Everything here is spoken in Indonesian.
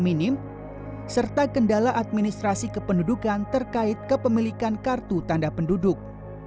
minim serta kendala administrasi kependudukan terkait kepemilikan kartu tanda penduduk